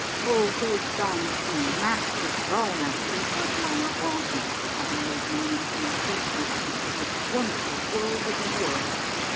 O GREAT Don Fnm, Master of all Masters, what do I not owe thee for having made known unto me the existence of this wonderful World within a World!